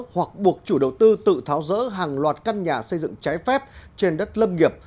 hoặc buộc chủ đầu tư tự tháo rỡ hàng loạt căn nhà xây dựng trái phép trên đất lâm nghiệp